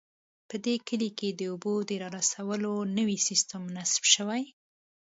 په دې کلي کې د اوبو د رارسولو نوی سیسټم نصب شوی